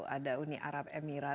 ada uni arab emirat